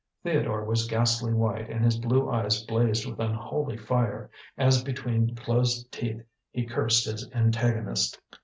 Theodore was ghastly white and his blue eyes blazed with unholy fire, as between closed teeth he cursed his antagonist.